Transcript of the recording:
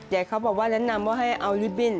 เด็กเขาบอกน่านว่าให้เอาลิบิ้น